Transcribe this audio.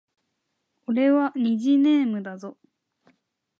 俺は虹ネームだぞ